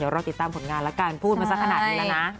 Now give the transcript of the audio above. รอติดตามผลงานละกันพูดมาสักขนาดนี้แล้วนะ